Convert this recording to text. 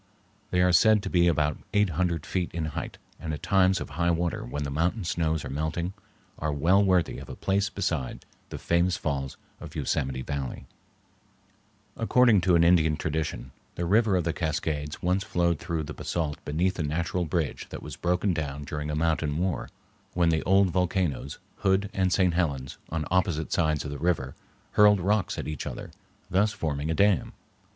They are said to be about eight hundred feet in height and, at times of high water when the mountain snows are melting, are well worthy of a place beside the famous falls of Yosemite Valley. [Illustration: CAPE HORN, COLUMBIA RIVER] According to an Indian tradition, the river of the Cascades once flowed through the basalt beneath a natural bridge that was broken down during a mountain war, when the old volcanoes, Hood and St. Helen's, on opposite sides of the river, hurled rocks at each other, thus forming a dam.